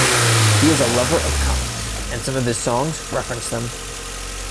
He is a lover of comics, and some of his songs reference them.